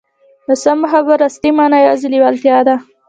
د سمو خبرو اصلي مانا یوازې لېوالتیا ده